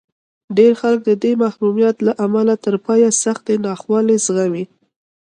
ډېر خلک د دې محرومیت له امله تر پایه سختې ناخوالې زغمي